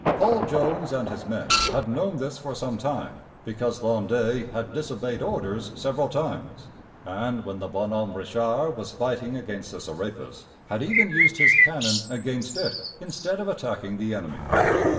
Paul Jones and his men had known this for some time, because Landais had disobeyed orders several times, and when the Bonhomme Richard was fighting against the Serapis, he had even used his cannon against it instead of attacking the enemy.